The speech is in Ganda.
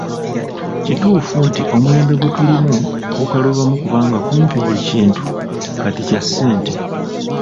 Kituufu nti omulembe gwe tulimu gukalubamu kubanga kumpi buli kintu kati kya ssente.